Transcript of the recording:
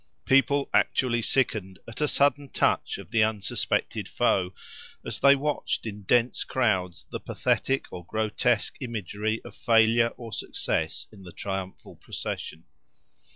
People actually sickened at a sudden touch of the unsuspected foe, as they watched in dense crowds the pathetic or grotesque imagery of failure or success in the triumphal procession.